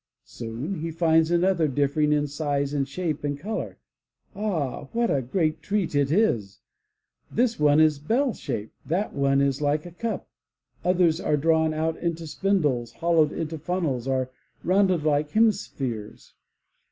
Soon he finds another differing in size and shape and color. Ah! what a great treat it is! This one is bell shaped, that one is like a cup; others are drawn out into spindles, hollowed into funnels or rounded like hemi spheres.